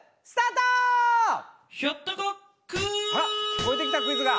聞こえてきたクイズが。